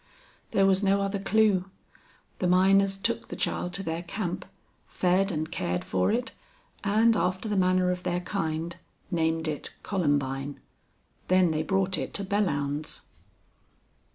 There was no other clue. The miners took the child to their camp, fed and cared for it, and, after the manner of their kind, named it Columbine. Then they brought it to Belllounds.